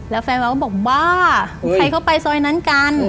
แล้วแฟนว่าก็บอกบ้าใครเข้าไปซอยนั้นกัน